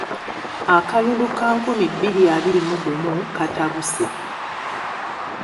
Akalulu ka nkumi bbiri abiri mu gumu katabuse.